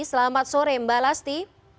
selamat sore mbak lasti